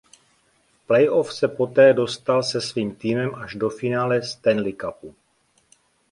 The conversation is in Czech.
V playoff se poté dostal se svým týmem až do finále Stanley Cupu.